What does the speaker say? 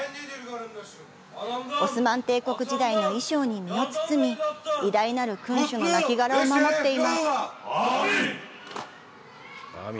オスマン帝国時代の衣装に身を包み偉大なる君主のなきがらを守っています。